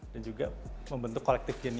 dan juga membentuk kolektif jenius gitu